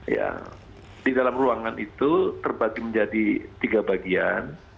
ya di dalam ruangan itu terbagi menjadi tiga bagian